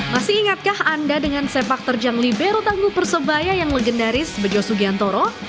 masih ingatkah anda dengan sepak terjang libero tangguh persebaya yang legendaris bejo sugiantoro